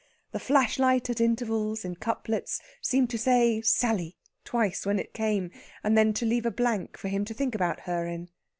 The flashlight at intervals, in couplets, seemed to say "Sally" twice when it came, and then to leave a blank for him to think about her in.